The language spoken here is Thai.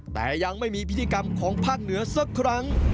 แต่ยังไม่มีพิธีกรรมของภาคเหนือสักครั้ง